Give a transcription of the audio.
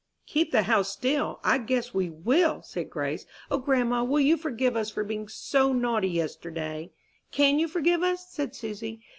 "Keep the house still? I guess we will!" said Grace. "O grandma, will you forgive us for being so naughty yesterday?" "Can you forgive us?" said Susy.